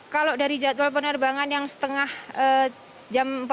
kalau dari jadwal penerbangan yang setengah jam empat belas dua puluh